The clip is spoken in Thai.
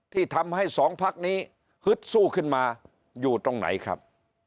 ที่ทำให้สองพักนี้ฮึดสู้ขึ้นมาอยู่ตรงไหนครับ